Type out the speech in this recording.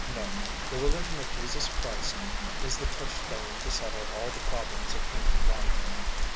No, the religion of Jesus Christ is the touchstone to settle all the problems of human life.